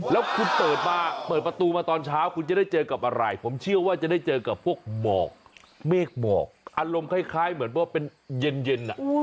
แล้วคุณเปิดมาเปิดประตูมาตอนเช้าคุณจะได้เจอกับอะไรผมเชื่อว่าจะได้เจอกับพวกหมอกเมฆหมอกอารมณ์คล้ายเหมือนว่าเป็นเย็น